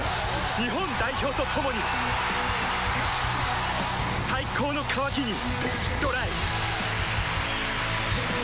日本代表と共に最高の渇きにＤＲＹ